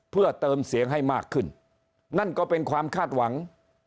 เพื่อเติมเสียงให้มากขึ้นนั่นก็เป็นความคาดหวัง